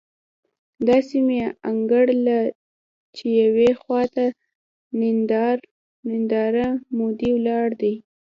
داسې مې انګېرله چې يوې خوا ته نریندرا مودي ولاړ دی.